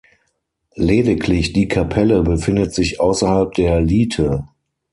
Lediglich die Kapelle befindet sich außerhalb der Lite.